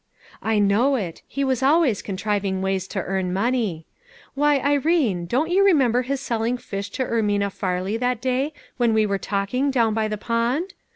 "I know it; he was always contriving ways to earn money; why, Irene, don't you remem ber his selling fish to Ermina Farley that day when we were talking down by the pond?